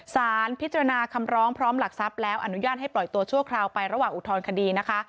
สารพิจารณาคำร้องพร้อมหลักทรัพย์แล้วอนุญาตให้ปล่อยตัวชั่วคราวไประหว่างอุทธรณคดีนะคะ